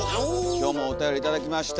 今日もおたより頂きました。